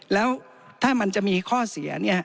แล้วถ้ามันจะมีข้อเสีย